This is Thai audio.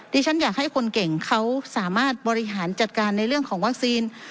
ฉันอยากให้คนเก่งเขาสามารถบริหารจัดการในเรื่องของวัคซีน